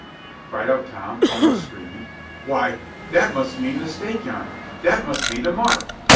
cried out Tom, almost screaming. "Why, that must mean the stake yonder; that must be the mark."